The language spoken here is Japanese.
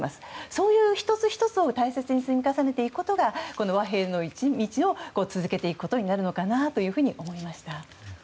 そういう１つ１つを大切に積み重ねていくことがこの和平の道を続けていくことになるのかなと思いました。